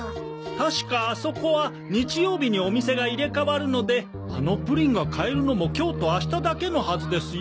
確かあそこは日曜日にお店が入れ替わるのであのプリンが買えるのも今日と明日だけのはずですよ。